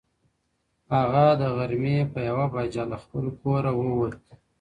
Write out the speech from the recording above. هغه د غرمې په یوه بجه له خپل کوره ووت.